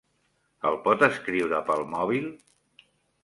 El pot escriure pel mòbil?